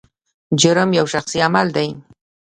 جرم یو شخصي عمل دی.